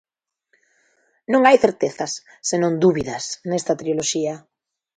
Non hai certezas, senón dúbidas, nesta triloxía.